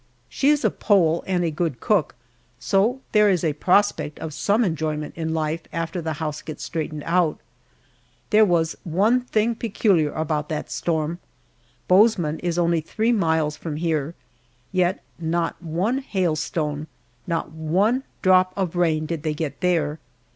She is a Pole and a good cook, so there is a prospect of some enjoyment in life after the house gets straightened out. There was one thing peculiar about that storm. Bozeman is only three miles from here, yet not one hailstone, not one drop of rain did they get there.